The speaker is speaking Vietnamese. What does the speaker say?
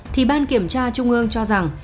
thì ban kiểm tra trung ương cho rằng